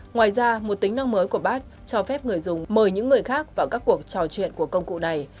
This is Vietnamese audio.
ngoài ra một tính năng mới của bat cho phép người dùng mời những người khác vào các cuộc trò chuyện của công cụ này